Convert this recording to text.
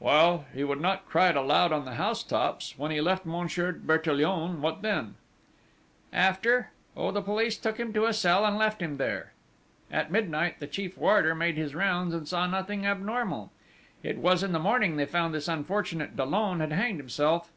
"Well, he would not cry it aloud on the housetops!... When he left Monsieur Bertillon, what then?" "After!... Oh, the police took him to a cell, and left him there. At midnight the chief warder made his rounds and saw nothing abnormal. It was in the morning they found this unfortunate Dollon had hanged himself."